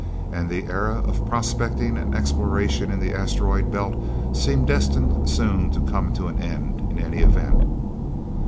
And the era of prospecting and exploration in the Asteroid Belt seemed destined soon to come to an end, in any event.